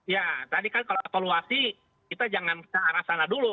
ya tadi kan kalau evaluasi kita jangan ke arah sana dulu